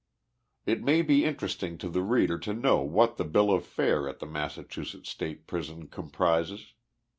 It may be interesting to the reader to know what the bill of fare at the Massachusetts State Prison comprises.